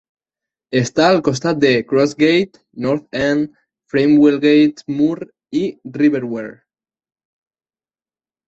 Està al costat de Crossgate, North End, Framwellgate Moor i River Wear.